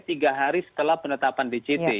tiga hari setelah penetapan dct